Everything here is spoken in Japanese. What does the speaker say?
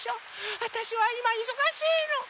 わたしはいまいそがしいの。